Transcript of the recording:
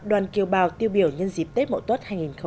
đoàn kiều bào tiêu biểu nhân dịp tết mẫu tốt hai nghìn một mươi tám